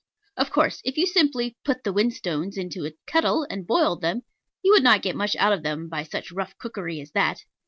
Of course, if you simply put the whinstones into a kettle and boiled them, you would not get much out of them by such rough cookery as that.